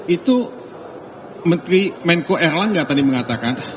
itu menteri menko erlangga tadi mengatakan